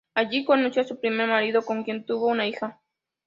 Allí conoció a su primer marido, con quien tuvo una hija.